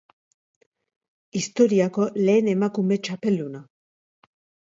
Historiako lehen emakume txapelduna.